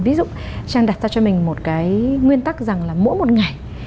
ví dụ trang đặt ra cho mình một cái nguyên tắc rằng là mỗi một ngày